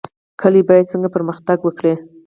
کلي باید څنګه پرمختګ وکړي؟